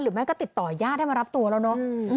หรือแม่ก็ติดต่อยญาติให้มารับตัวแล้วเนอะ